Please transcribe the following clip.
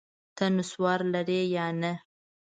ته نسوار لرې یا نه؟